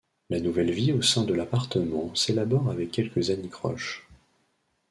La nouvelle vie au sein de l'appartement s'élabore avec quelques anicroches...